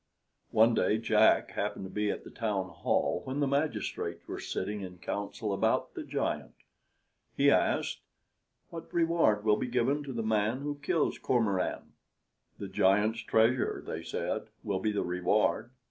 One day Jack happened to be at the town hall when the magistrates were sitting in council about the giant. He asked, "What reward will be given to the man who kills Cormoran?" "The giant's treasure," they said, "will be the reward."